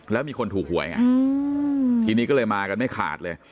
แล้วมีคนถูกหวยไงทีนี้ก็เลยมากันไม่ขาดเลย